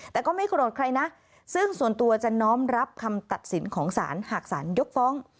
ทำตัดสินของศาลหากศาลยกฟ้อง